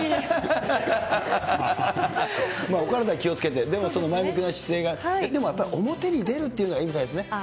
お体気をつけて、でもその前向きな姿勢が、でもやっぱり表に出るっていうのがいいみたいですね。